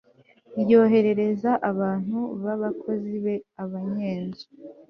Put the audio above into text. yohereza abantu b'abakozi be, abanyenzu